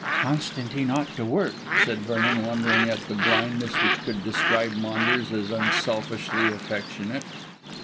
"Constantine ought to work," said Vernon, wondering at the blindness which could describe Maunders as unselfishly affectionate.